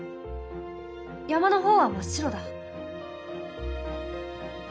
山の方は真っ白だ。